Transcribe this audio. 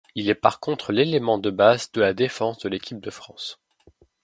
Il est par contre l'élément de base de la défense de l'équipe de France.